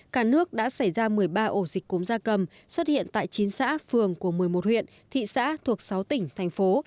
cả nước đã xảy ra một mươi ba ổ dịch cúm da cầm xuất hiện tại chín xã phường của một mươi một huyện thị xã thuộc sáu tỉnh thành phố